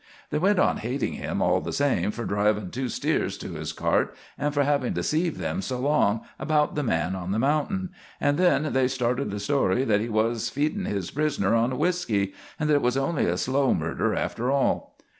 They went on hating him all the same for driving two steers to his cart and for having deceived them so long about the man on the mountain, and then they started the story that he was feedin' his prisoner on whisky, and that it was only a slow murder, after all.